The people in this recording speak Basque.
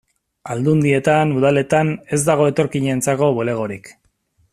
Aldundietan, udaletan, ez dago etorkinentzako bulegorik.